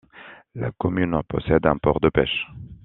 La commune possède un port de pêche.